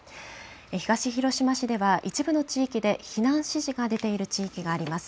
東広島市では、一部の地域で避難指示が出ている地域があります。